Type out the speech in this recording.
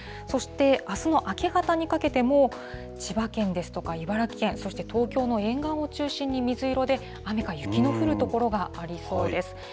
そして、あすの明け方にかけても、千葉県ですとか茨城県、そして東京の沿岸を中心に水色で、雨か雪の降る所がありそうです。